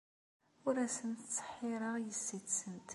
Ur asent-ttseḥḥireɣ yessi-tsent.